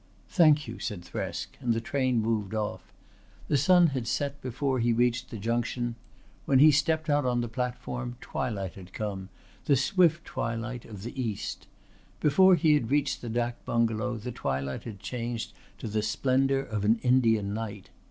"Thank you," said Thresk, and the train moved off. The sun had set before he reached the junction. When he stepped out on to the platform twilight had come the swift twilight of the East. Before he had reached the dâk bungalow the twilight had changed to the splendour of an Indian night.